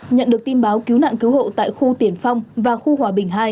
nhận được tin báo cứu nạn cứu hộ tại khu tiển phong và khu hòa bình hai